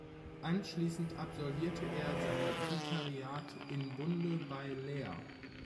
Anschließend absolvierte er sein Vikariat in Bunde bei Leer.